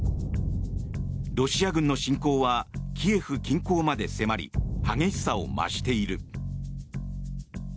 ロシア軍の侵攻はキエフ近郊まで迫り激しさを増している。